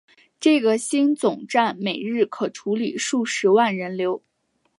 这个新总站每日可处理数十万人流。